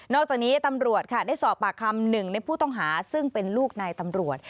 อกจากนี้ตำรวจค่ะได้สอบปากคำหนึ่งในผู้ต้องหาซึ่งเป็นลูกนายตำรวจ